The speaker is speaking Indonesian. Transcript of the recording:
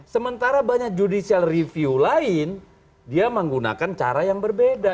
sementara banyak judicial review lain dia menggunakan cara yang berbeda